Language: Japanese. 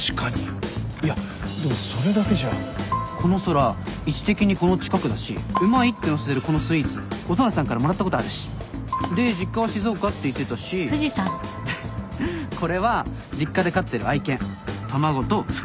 この空位置的にこの近くだしうまいって載せてるこのスイーツ音無さんからもらったことあるしで実家は静岡って言ってたしでこれは実家で飼ってる愛犬玉子と福男。